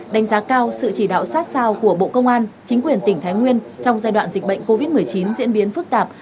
đánh giá cao sự chỉ đạo sát sao của bộ công an chính quyền tỉnh thái nguyên trong giai đoạn dịch bệnh covid một mươi chín diễn biến phức tạp